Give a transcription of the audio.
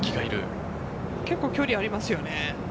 結構、距離ありますよね。